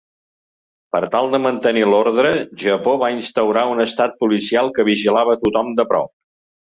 Per tal de mantenir l'ordre, Japó va instaurar un estat policial que vigilava a tothom de prop.